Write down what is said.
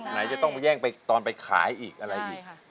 ไหนจะต้องไปแย่งไปตอนไปขายอีกอะไรอีก